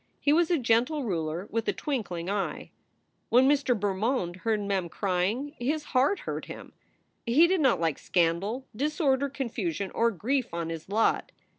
He was a gentle ruler with a twinkling eye. When Mr. Bermond heard Mem crying, his heart hurt him. He did not like scandal, disorder, confusion, or grief on his lot.